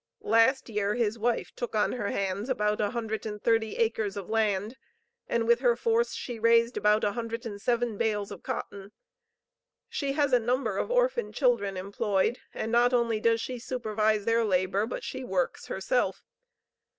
Last year his wife took on her hands about 130 acres of land, and with her force she raised about 107 bales of cotton. She has a number of orphan children employed, and not only does she supervise their labor, but she works herself.